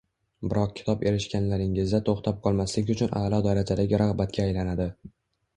biroq kitob erishganlaringizda to‘xtab qolmaslik uchun a'lo darajadagi rag‘batga aylanadi